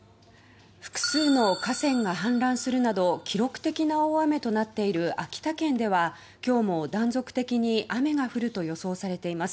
複数の河川が氾濫するなど記録的な大雨となっている秋田県では今日も断続的に雨が降ると予想されています。